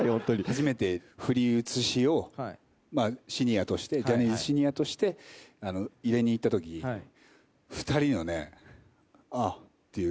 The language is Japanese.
初めて振り写しをシニアとしてジャニーズシニアとして入れに行ったとき２人のね「ああ」っていう。